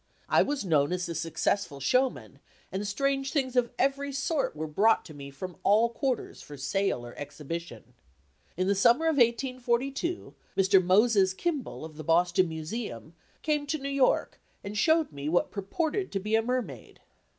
I was known as a successful showman, and strange things of every sort were brought to me from all quarters for sale or exhibition. In the summer of 1842, Mr. Moses Kimball, of the Boston Museum, came to New York and showed me what purported to be a mermaid.